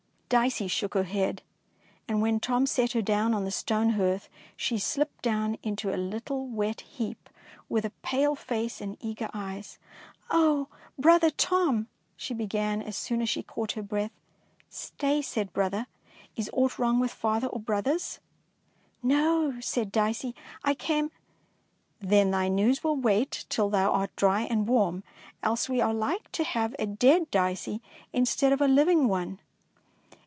255 DEEDS OF DAEING Dicey shook her head, and when Tom set her down on the stone hearth, she slipped down into a little wet heap with a pale face and eager eyes. Oh, brother Tom,'^ she began, as soon as she caught her breath. "Stay," said her brother, "is aught wrong with my father or brothers ?" No," said Dicey, " I came —"" Then thy news will wait till thou art dry and warm, else we are like to have a dead Dicey instead of a liv ing one.